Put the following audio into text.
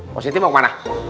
positi mau kemana